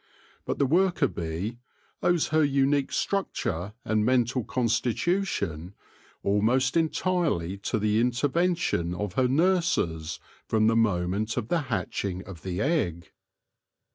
But the worker bee owes her unique structure and mental constitution almost entirely to the intervention of her nurses from the moment of the hatching of the egg.